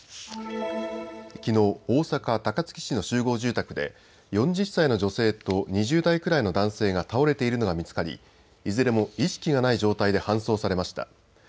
きのう、大阪高槻市の集合住宅で４０歳の女性と２０代くらいの男性が倒れているのが見つかりいずれも意識がない状態で搬送されました。